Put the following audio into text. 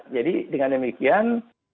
jadi dengan demikian